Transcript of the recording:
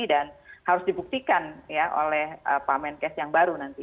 dan harus dibuktikan ya oleh pamen kes yang baru nanti